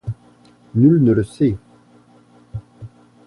Nul ne le sait.